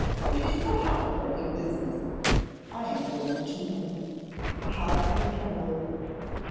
It is a heart rending business. I am going to him. How I tremble!